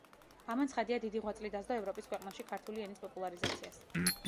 ამან, ცხადია, დიდი ღვაწლი დასდო ევროპის ქვეყნებში ქართული ენის პოპულარიზაციას.